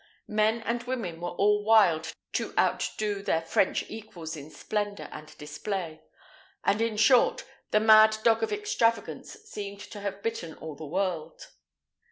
Men and women were all wild to outdo their French equals in splendour and display; and, in short, the mad dog of extravagance seemed to have bitten all the world.